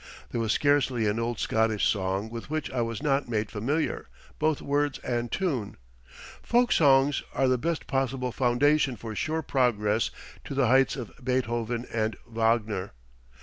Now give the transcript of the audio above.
There was scarcely an old Scottish song with which I was not made familiar, both words and tune. Folk songs are the best possible foundation for sure progress to the heights of Beethoven and Wagner.